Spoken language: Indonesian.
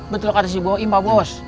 betul kak desi bawain pak bos